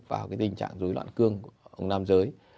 vào cái tình trạng dối loạn cương của ông nam giới